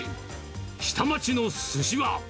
下町のすしは。